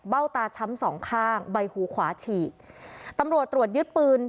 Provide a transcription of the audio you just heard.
ตาช้ำสองข้างใบหูขวาฉีกตำรวจตรวจยึดปืน